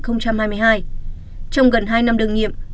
trong gần hai năm đường nghiệm